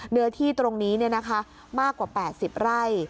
เนื้อที่ตรงนี้เนี่ยนะคะมากกว่า๘๐ไร่